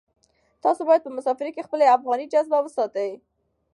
تاسو باید په مسافرۍ کې خپله افغاني جذبه وساتئ.